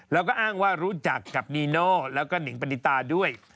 แล้วก็อ้างว่ารู้จักกับนีโน่แล้วก็หนิงปณิตาด้วย